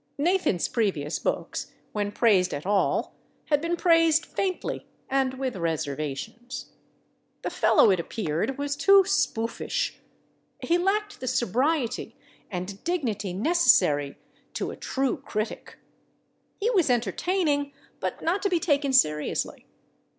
Nathan's previous books, when praised at all, had been praised faintly and with reservations. The fellow, it appeared, was too spoofish; he lacked the sobriety and dignity necessary to a True Critic; he was entertaining but not to be taken seriously.